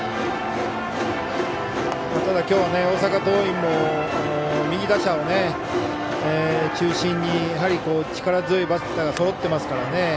ただきょう、大阪桐蔭も右打者を中心に力強いバッターがそろってますからね。